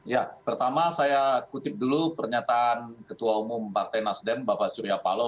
ya pertama saya kutip dulu pernyataan ketua umum partai nasdem bapak surya paloh